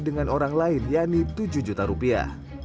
dengan orang lain yakni tujuh juta rupiah